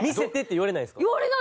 言われないです。